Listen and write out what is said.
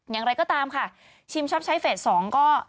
อย่างไรก็ตามค่ะชิมชอบใช้เฟส๒ก็